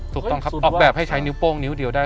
ถูกต้องครับออกแบบให้ใช้นิ้วโป้งนิ้วเดียวได้